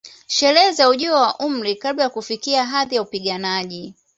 Sherehe za ujio wa umri kabla ya kufikia hadhi ya upiganaji